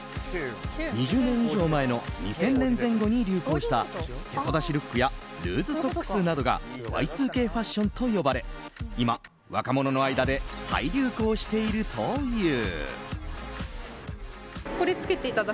２０年以上前の２０００年前後に流行したへそ出しルックやルーズソックスなどがＹ２Ｋファッションと呼ばれ今、若者の間で再流行しているという。